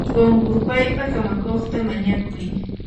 qunqurpaypa kamakuqta mañakuy.